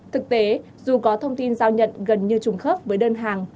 thực tế dù có thông tin giao nhận gần như trùng khớp với đơn hàng